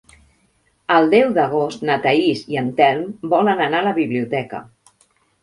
El deu d'agost na Thaís i en Telm volen anar a la biblioteca.